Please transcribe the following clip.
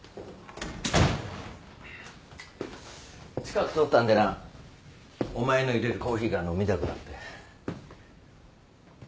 ・近く通ったんでなお前の入れるコーヒーが飲みたくなって。